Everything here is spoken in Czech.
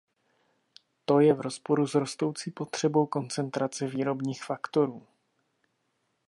To je v rozporu s rostoucí potřebou koncentrace výrobních faktorů.